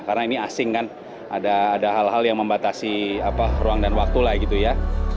karena ini asing kan ada hal hal yang membatasi ruang dan waktu lah gitu ya